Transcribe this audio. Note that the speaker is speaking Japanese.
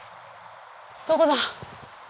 どこだ？